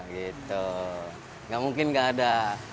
gitu gak mungkin gak ada